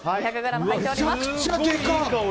めちゃくちゃでかっ！